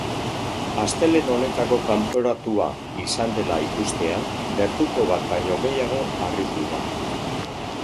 Astelehen honetako kanporatua izan dela ikustean gertuko bat baino gehiago harritu da.